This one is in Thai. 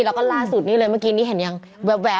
แล้วก็ล่าสุดนี้เลยเมื่อกี้นี้เห็นยังแว๊บ